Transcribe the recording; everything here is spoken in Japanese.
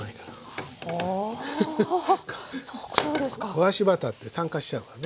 焦がしバターって酸化しちゃうからね。